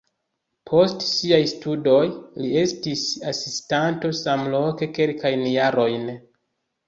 Post siaj studoj li estis asistanto samloke kelkajn jarojn.